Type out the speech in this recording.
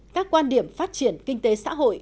các quan điểm phát triển kinh tế xã hội